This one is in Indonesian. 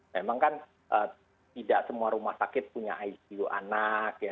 memang kan tidak semua rumah sakit punya icu anak ya